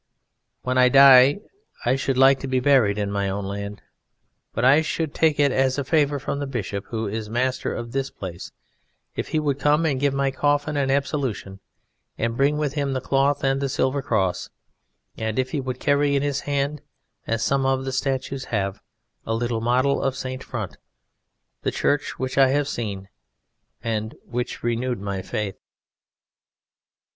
When I die I should like to be buried in my own land, but I should take it as a favour from the Bishop, who is master of this place, if he would come and give my coffin an absolution, and bring with him the cloth and the silver cross, and if he would carry in his hand (as some of the statues have) a little model of St. Front, the church which I have seen and which renewed my faith.